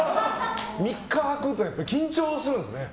３日あくと緊張するんですね